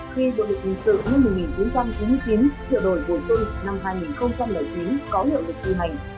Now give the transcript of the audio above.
từ hình sự năm một nghìn chín trăm chín mươi chín sự đổi bổ sung năm hai nghìn chín có lượng lực tư hành